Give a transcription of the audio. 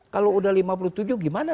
kalau udah lima puluh tujuh gimana